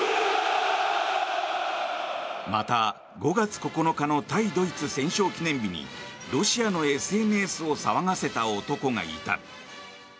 また５月９日の対ドイツ戦勝記念日にロシアのＳＮＳを騒がせた男がいた。